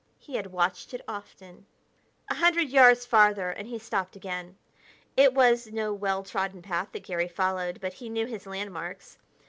He had watched it often. A hundred yards farther and he stopped again. It was no well trodden path that Garry followed, but he knew his landmarks.